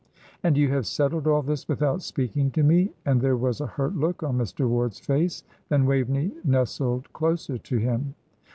"And you have settled all this without speaking to me?" and there was a hurt look on Mr. Ward's face. Then Waveney nestled closer to him.